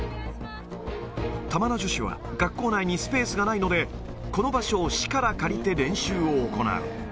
玉名女子は、学校内にスペースがないので、この場所を市から借りて練習を行う。